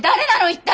一体！